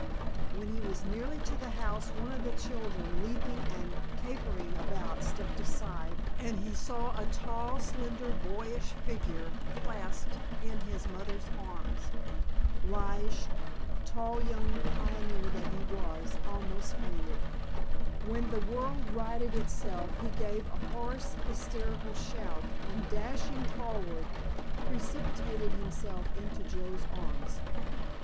When he was nearly to the house one of the children leaping and capering about stepped aside, and he saw a tall, slender boyish figure clasped in his mother's arms. Lige, tall young pioneer that he was, almost fainted. When the world righted itself he gave a hoarse, hysterical shout and dashing forward precipitated himself into Joe's arms.